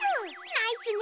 ナイスね！